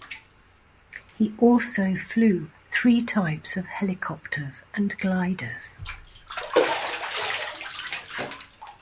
He also flew three types of helicopters and gliders.